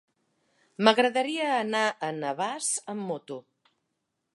M'agradaria anar a Navàs amb moto.